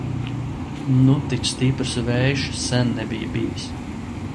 Nu tik stiprs vējš sen nebija bijis!